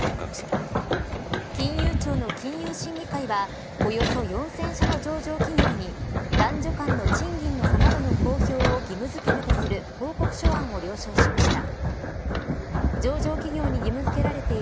金融庁の金融審議会はおよそ４０００社の上場企業に男女間の賃金の差などの公表を義務づけるとする報告書案を了承しました。